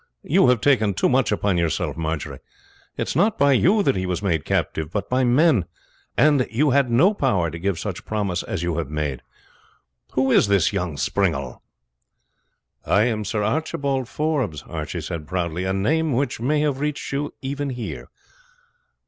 You have taken too much upon yourself, Marjory. It is not by you that he has been made captive, but by my men, and you had no power to give such promise as you have made. Who is this young springall?" "I am Sir Archibald Forbes," Archie said proudly "a name which may have reached you even here."